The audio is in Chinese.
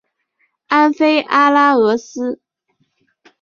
安菲阿拉俄斯。